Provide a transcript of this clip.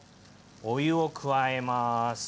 お湯を加えます。